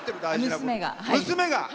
娘が。